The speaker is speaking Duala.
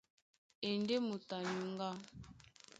A e ndé moto a nyuŋgá.